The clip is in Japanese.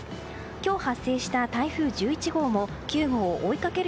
今日発生した台風１１号も９号を追いかける